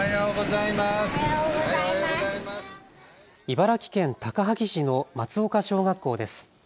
茨城県高萩市の松岡小学校です。